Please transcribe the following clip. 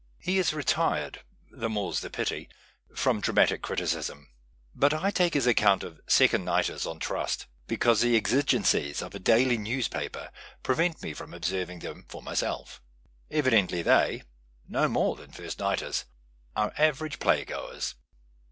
He has retired (the more's the pity) from dramatic criticism. But I take his account of second nightcrs on trust, because the exigencies of a daily newspaper prevent me from observing them for myself. Evidently they, no more than first nighters, are average plaj'goers.